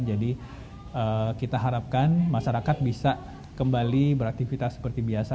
jadi kita harapkan masyarakat bisa kembali beraktivitas seperti biasa